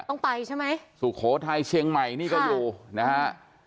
ต้องไปใช่ไหมสุโขทัยเชียงใหม่นี่ก็อยู่นะฮะ